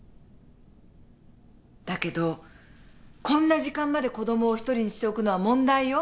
だけどこんな時間まで子供を独りにしておくのは問題よ。